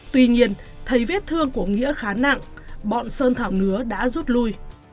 tuy nhiên thấy vết thương của nghĩa khá nặng bọn sơn thảo ngứa đã rút lui